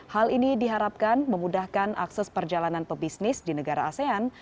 hal ini diharapkan memudahkan akses perjalanan pebisnis di negara asean